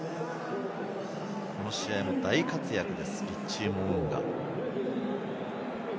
この試合も大活躍です、リッチー・モウンガ。